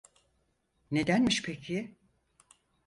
Nedenmiş peki?